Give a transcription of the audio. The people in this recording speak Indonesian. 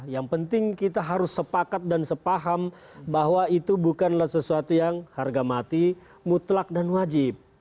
yang penting kita harus sepakat dan sepaham bahwa itu bukanlah sesuatu yang harga mati mutlak dan wajib